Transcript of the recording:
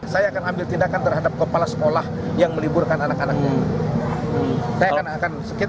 saya akan ambil tindakan terhadap kepala sekolah yang meliburkan anak anaknya